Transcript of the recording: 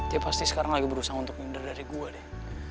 dia pasti sekarang lagi berusaha untuk minder dari gua deh